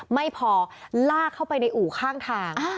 ไม่พอลากเข้าไปในอู่ข้างทาง